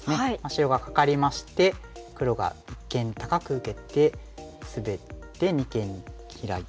白がカカりまして黒が一間に高く受けてスベって二間にヒラいたと。